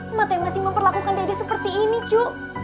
emaknya masih memperlakukan dede seperti ini cu